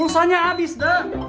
kalahnya abis da